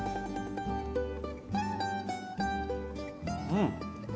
うん。